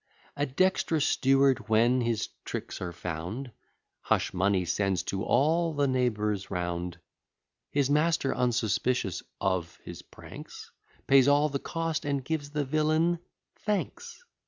A dext'rous steward, when his tricks are found, Hush money sends to all the neighbours round; His master, unsuspicious of his pranks, Pays all the cost, and gives the villain thanks.